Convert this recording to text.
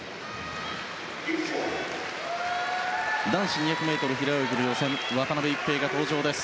男子４００ｍ平泳ぎの予選渡辺一平が登場です。